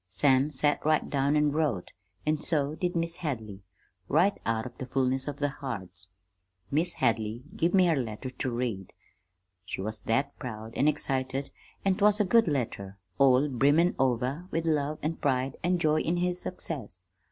Sam set right down an' wrote, an' so did Mis' Hadley, right out of the fullness of their hearts. Mis' Hadley give me her letter ter read, she was that proud an' excited; an' 't was a good letter, all brimmin' over with love an' pride an' joy in his success.